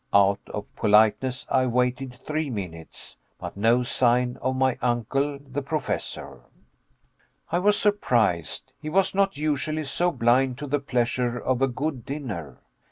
Out of politeness I waited three minutes, but no sign of my uncle, the Professor. I was surprised. He was not usually so blind to the pleasure of a good dinner.